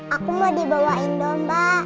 aku mau dibawain domba